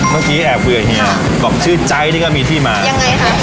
เมื่อกี้แอบคุยกับเฮียบอกชื่อใจนี่ก็มีที่มายังไงคะ